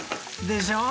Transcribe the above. でしょう？